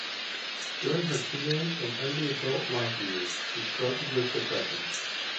During her teenage and early adult life years she struggled with depression.